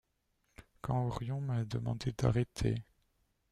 Quand Orion m'a demandé d'arrêter.